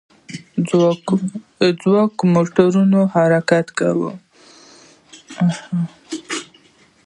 ځواک موټور حرکت کوي.